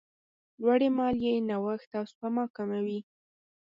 لوړې مالیې نوښت او سپما کموي.